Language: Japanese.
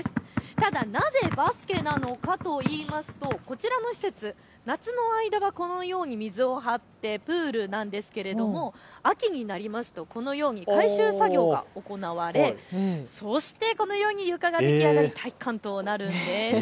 ただなぜバスケなのかといいますと、こちらの施設、夏の間はこのように水を張ってプールなんですけれども秋になりますと改修作業が行われ、そしてこのように床が出来上がり体育館となるんです。